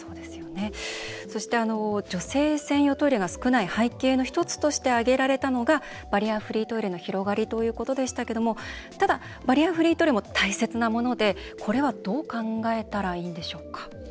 そして、女性専用トイレが少ない背景の１つとして挙げられたのがバリアフリートイレの広がりということでしたがただバリアフリートイレも大切なものでこれはどう考えたらいいんでしょうか？